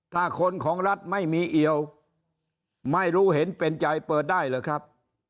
ถ้าคนของรัฐไม่มีเอี่ยวไม่รู้เห็นเป็นใจเปิดได้หรือครับ